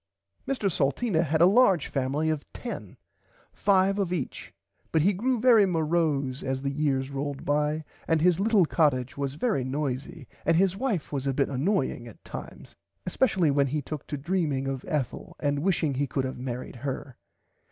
Mr Salteena had a large family of 10 five of each but he grew very morose as the years rolled by and his little cottage was very noisy and his wife was a bit annoying at times especially when he took to dreaming of Ethel and wishing he could have marrid her.